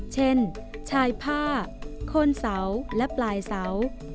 เช่นชายผ้าโคนเสาและปลายเสา